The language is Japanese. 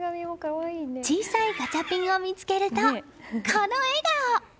小さいガチャピンを見つけるとこの笑顔！